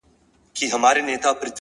ستا خنداگاني مي ساتلي دي کرياب وخت ته،